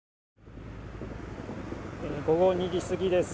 午後２時過ぎです。